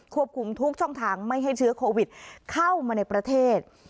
คุมทุกช่องทางไม่ให้เชื้อโควิดเข้ามาในประเทศ